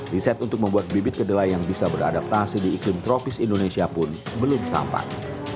riset untuk membuat bibit kedelai yang bisa beradaptasi di iklim tropis indonesia pun belum tampak